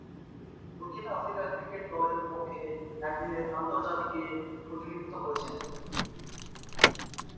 দক্ষিণ Africa cricket দলের পক্ষে একদিনের আন্তর্জাতিকে প্রতিনিধিত্ব করছেন।